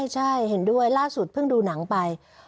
ใช่เห็นด้วยล่าสุดเพิ่งดูหนังไป